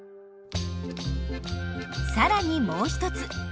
更にもう一つ。